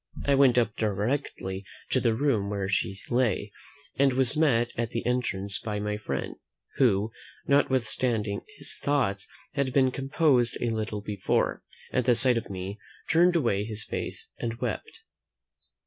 I went up directly to the room where she lay, and was met at the entrance by my friend, who, notwithstanding his thoughts had been composed a little before, at the sight of me turned away his face and wept.